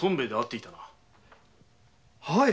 はい。